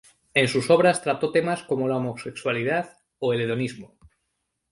En sus obras trató temas como la homosexualidad o el hedonismo.